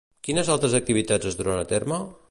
Quines altres activitats es duran a terme?